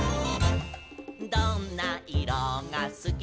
「どんな色がすき」